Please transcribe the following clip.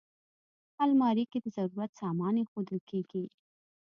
الماري کې د ضرورت سامان ایښودل کېږي